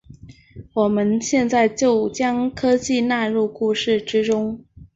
我们现在就将科技纳入故事之中。